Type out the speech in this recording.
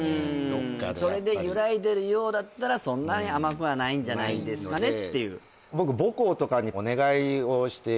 どっかでそれで揺らいでるようだったらそんなに甘くはないんじゃないんですかねっていうとは言いました